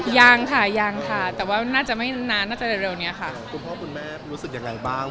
ยังค่ะยังค่ะแต่ว่าว่าน่าจะไม่นานน่าจะเร็วเนี่ยค่ะ